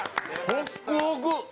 ホックホク。